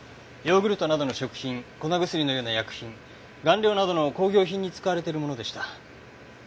ヨーグルトなどの食品粉薬のような薬品顔料などの工業品に使われているものでした。